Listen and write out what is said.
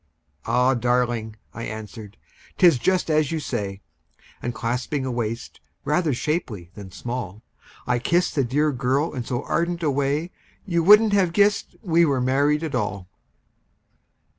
"Ah! darling," I answered, "'tis just as you say;" And clasping a waist rather shapely than small, I kissed the dear girl in so ardent a way You wouldn't have guessed we were married at all!